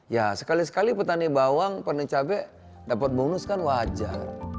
ya sekali sekali petani bawang panen cabai dapat bonus kan wajar